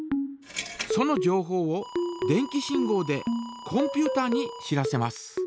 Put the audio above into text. そのじょうほうを電気信号でコンピュータに知らせます。